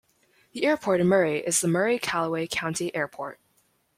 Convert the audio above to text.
The airport in Murray is the Murray-Calloway County Airport.